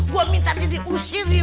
gue minta dia diusir